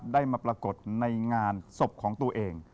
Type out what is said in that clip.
ได้มาปรากฏในงานศพของตัวเอง